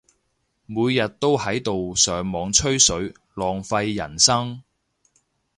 每日都喺度上網吹水，浪費人生